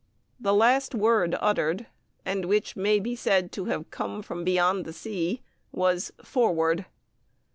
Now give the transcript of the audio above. The last word uttered and which may be said to have come from beyond the sea was "forward."